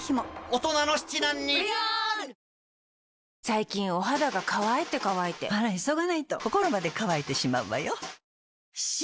最近お肌が乾いて乾いてあら急がないと心まで乾いてしまうわよ。